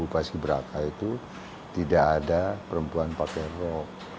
paski beraka itu tidak ada perempuan pakai rok